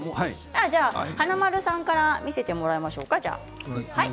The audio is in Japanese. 華丸さんから見せてもらいましょう。